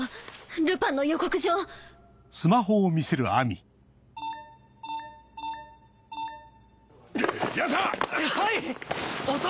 ルパンの予告状！やた！